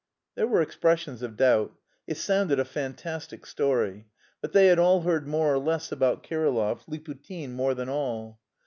There were expressions of doubt. It sounded a fantastic story. But they had all heard more or less about Kirillov; Liputin more than all.